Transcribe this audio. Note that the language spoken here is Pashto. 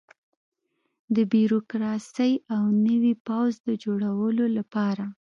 د بیروکراسۍ او نوي پوځ د جوړولو لپاره.